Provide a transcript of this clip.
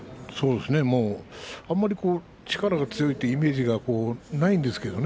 あまり力が強いというイメージがないんですけどね。